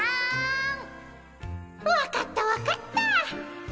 分かった分かった。